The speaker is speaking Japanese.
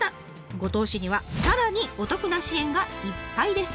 五島市にはさらにお得な支援がいっぱいです。